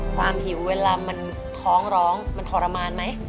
หิวเวลามันท้องร้องมันทรมานไหม